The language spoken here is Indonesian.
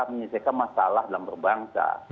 menyelesaikan masalah dalam berbangsa